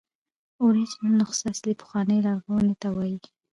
اوریجنل نسخه اصلي، پخوانۍ، لرغوني ته وایي.